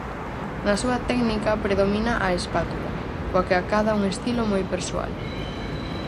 Na súa técnica predomina a espátula, coa que acada un estilo moi persoal.